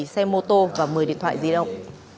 bảy xe mô tô và một mươi điện thoại di động